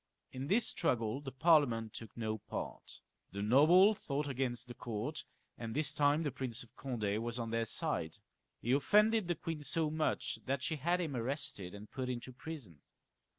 In this struggle the Parliament took no part. The nobles fought against the court, and this time the Prince of Conde was on their side. He offended the queen so much that she had him arrested and put into prison.